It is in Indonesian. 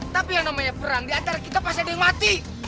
tapi yang namanya perang diantara kita pasti ada yang mati